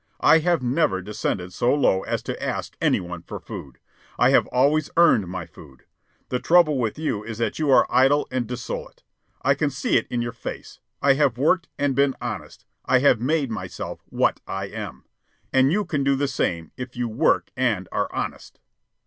I have never descended so low as to ask any one for food. I have always earned my food. The trouble with you is that you are idle and dissolute. I can see it in your face. I have worked and been honest. I have made myself what I am. And you can do the same, if you work and are honest."